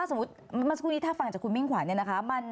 สมมุติเมื่อสักครู่นี้ถ้าฟังจากคุณมิ่งขวัญเนี่ยนะคะ